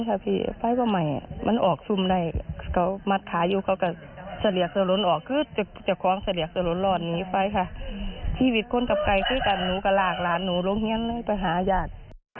ไก่มันก็กระเสือกกระสนพยายามที่จะเอาชีวิตรอด